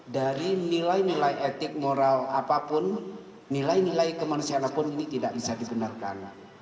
dari nilai nilai etik moral apapun nilai nilai kemanusiaan pun ini tidak bisa dibenarkan